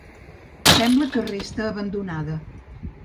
Sembla que resta abandonada.